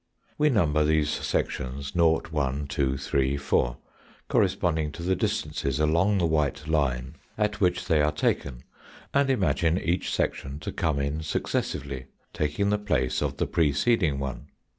We number these sections 0, 1, 2, 3, 4, corresponding to the distances along the white line at which they are 156 THE FOURTH DIMENSION taken, and imagine each section to come in successively, taking the place of the preceding one.